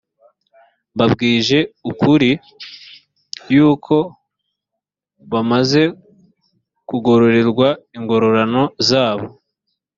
mbabwije ukuri yuko bamaze kugororerwa ingororano zabo